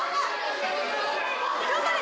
頑張れ！